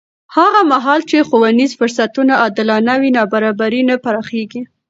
هغه مهال چې ښوونیز فرصتونه عادلانه وي، نابرابري نه پراخېږي.